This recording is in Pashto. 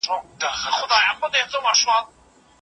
اوښکي په بڼو چي مي پېیلې اوس یې نه لرم